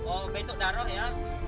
oh betuk darah ya